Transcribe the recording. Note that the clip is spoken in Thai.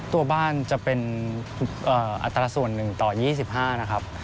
ตัวบ้านจะเป็นอัตราส่วน๑ต่อ๒๕นะครับ